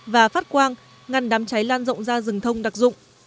và phát quang ngăn đám cháy lan rộng ra rừng thông đặc dụng